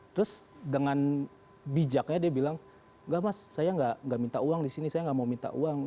terus dengan bijaknya dia bilang gak mas saya nggak minta uang di sini saya nggak mau minta uang